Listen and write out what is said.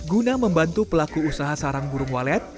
guna membantu pelaku usaha sarang burung walet